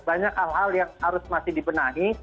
banyak hal hal yang harus masih dibenahi